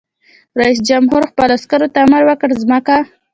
رئیس جمهور خپلو عسکرو ته امر وکړ؛ ځمکه!